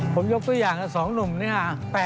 ผมยกตัวอย่างสองหนุ่มนี่๘๖